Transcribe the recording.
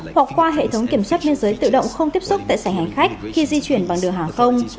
hoặc qua hệ thống kiểm soát biên giới tự động không tiếp xúc tại sảnh hành khách khi di chuyển bằng đường hàng không